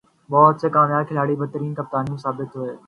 بہت سے کامیاب کھلاڑی بدترین کپتان ثابت ہوئے ہیں۔